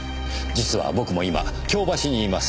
実は僕も今京橋にいます。